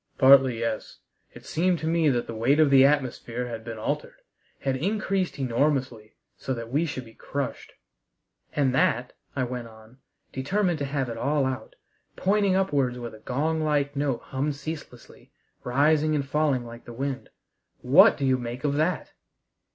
"Partly, yes. It seemed to me that the weight of the atmosphere had been altered had increased enormously, so that we should be crushed." "And that," I went on, determined to have it all out, pointing upwards where the gong like note hummed ceaselessly, rising and falling like wind. "What do you make of that?"